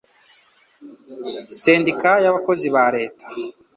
sendika y abakozi ba leta